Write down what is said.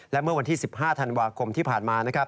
และเมื่อวันที่๑๕ธันวาคมที่ผ่านมา